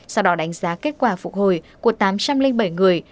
sau đó đánh giá kết quả phục hồi của tám trăm linh bảy người